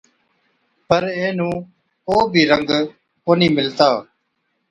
پَر اينهُون ڪو بِي رنگ ڪونهِي مِلتا۔